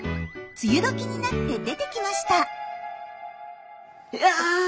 梅雨時になって出てきました。